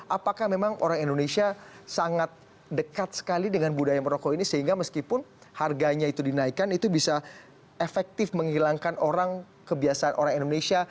apakah memang orang indonesia sangat dekat sekali dengan budaya merokok ini sehingga meskipun harganya itu dinaikkan itu bisa efektif menghilangkan orang kebiasaan orang indonesia